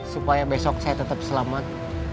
supaya besok saya tetap selamat